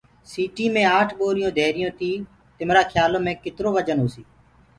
سيٚٽينٚ مي آٺ ٻوريٚونٚ ڌيريٚونٚ تيٚ تمرآ کيآلو مي ڪترو وجن هوسيٚ